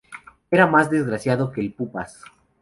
Era más desgraciado que El Pupas